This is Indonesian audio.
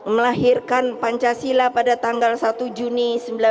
melahirkan pancasila pada tanggal satu juni seribu sembilan ratus empat puluh